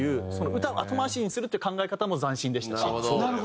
歌を後回しにするっていう考え方も斬新でしたし。